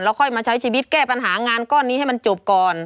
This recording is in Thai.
ค่อยมาใช้ชีวิตแก้ปัญหางานก้อนนี้ให้มันจบก่อน